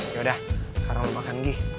yaudah sekarang lo makan gi